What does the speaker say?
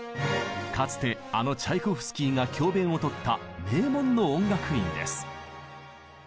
かつてあのチャイコフスキーが教べんを執った名門の音楽院です。